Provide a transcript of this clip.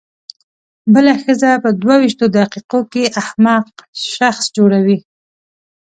بله ښځه په دوه وېشتو دقیقو کې احمق شخص جوړوي.